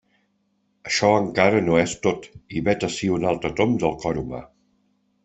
Això encara no és tot, i vet ací un altre tomb del cor humà.